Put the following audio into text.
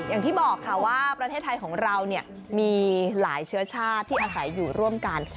อย่างที่บอกค่ะว่าประเทศไทยของเรามีหลายเชื้อชาติที่อาศัยอยู่ร่วมกัน